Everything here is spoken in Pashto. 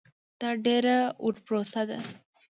دا ډېره ورو پروسه ده.